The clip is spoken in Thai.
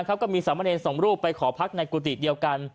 ก็มีสามเณรสองรูปไปขอพักในกุฏิเดียวกัน